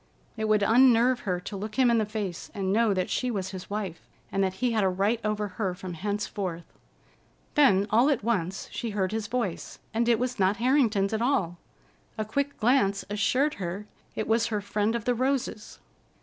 It would unnerve her to look him in the face and know that she was his wife, and that he had a right over her from henceforth. Then, all at once, she heard his voice, and it was not Harrington's at all. A quick glance assured her it was her friend of the roses.